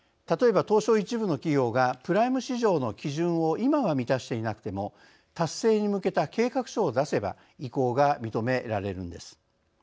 例えば東証１部の企業がプライム市場の基準を今は満たしていなくても達成に向けた計画書を出せば移行が認められるのです。